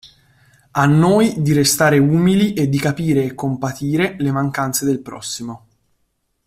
A noi di restare umili e di capire e compatire le mancanze del prossimo.